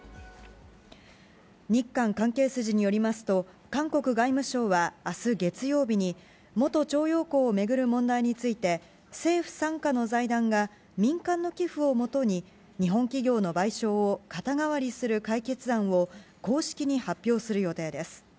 日韓関係筋によりますと、韓国外務省はあす月曜日に、元徴用工を巡る問題について、政府傘下の財団が民間の寄付をもとに、日本企業の賠償を肩代わりする解決案を公式に発表する予定です。